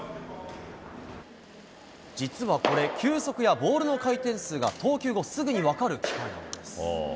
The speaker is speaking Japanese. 実はこれ、球速やボールの回転数が投球後すぐに分かる機械なんです。